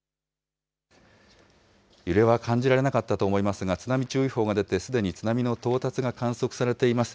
揺れは感じられなかったと思いますが、津波注意報が出て、すでに津波の到達が観測されています。